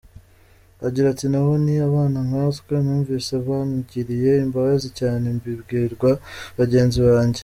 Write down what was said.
Agira ati "Nabo ni abana nkatwe, numvise mbagiriye imbabazi cyane mbibwira bagenzi banjye.